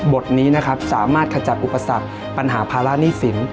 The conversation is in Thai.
บทนี้นะครับสามารถขจัดอุปสรรคปัญหาภาระหนี้สิน